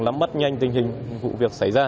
lắm mắt nhanh tình hình vụ việc xảy ra